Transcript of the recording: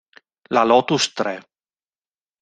La Lotus tre.